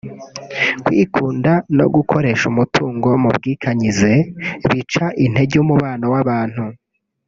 kwikunda no gukoresha umutungo mu bwikanyize bica intege umubano w’abantu